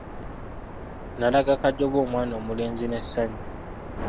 N'alaga Kajoba omwana omulenzi n'essanyu.